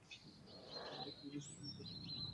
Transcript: তিনি বর্তমানে সেখানে থাকেন।